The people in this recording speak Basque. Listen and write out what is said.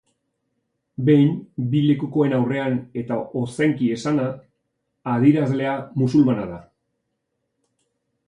Behin bi lekukoen aurrean eta ozenki esana, adierazlea musulmana da.